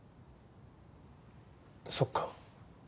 そっか。